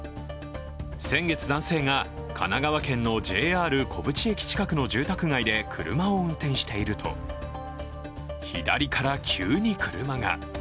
先月男性が、神奈川県のＪＲ古淵駅近くの住宅街で車を運転していると、左から急に車が。